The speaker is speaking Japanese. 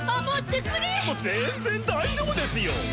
もう全然大丈夫ですよ！